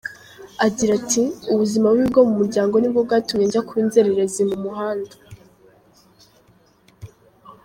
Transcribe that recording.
Agira ati “Ubuzima bubi bwo mu muryango nibwo bwatumye njya kuba inzererezi mu muhanda.